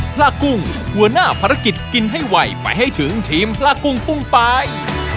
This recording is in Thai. พระกุ้งหัวหน้าภารกิจกินให้ไวไปให้ถึงทีมพระกุ้งปุ้งไป